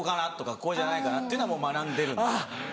ここじゃないかな？っていうのはもう学んでるので。